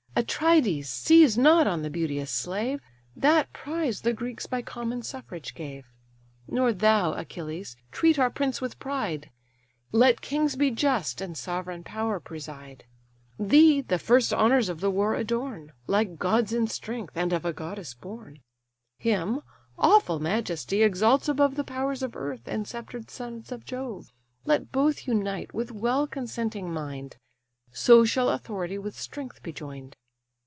Atrides, seize not on the beauteous slave; That prize the Greeks by common suffrage gave: Nor thou, Achilles, treat our prince with pride; Let kings be just, and sovereign power preside. Thee, the first honours of the war adorn, Like gods in strength, and of a goddess born; Him, awful majesty exalts above The powers of earth, and sceptred sons of Jove. Let both unite with well consenting mind, So shall authority with strength be join'd.